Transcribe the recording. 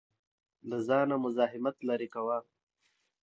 له ځانه مزاحمت لرې کاوه.